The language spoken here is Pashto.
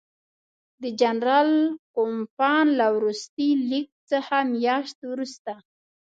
د جنرال کوفمان له وروستي لیک څه میاشت وروسته.